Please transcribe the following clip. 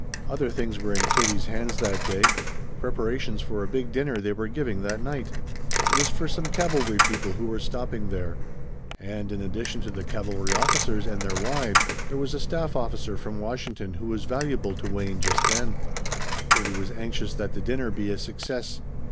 Other things were in Katie's hands that day: preparations for a big dinner they were giving that night. It was for some cavalry people who were stopping there. And in addition to the cavalry officers and their wives there was a staff officer from Washington who was valuable to Wayne just then. Katie was anxious that the dinner be a success.